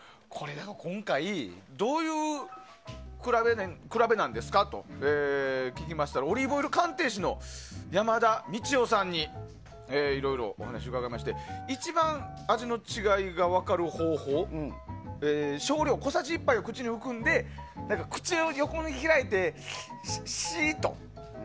今回どういう比べなんですかと聞きましたらオリーブオイル鑑定士の山田美知世さんにいろいろお話伺いまして一番味の違いが分かる方法少量、小さじ１杯を口に含んで口を横に開いてシー！